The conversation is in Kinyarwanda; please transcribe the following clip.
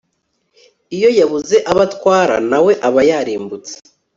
iyo yabuze abo atwara, na we aba yarimbutse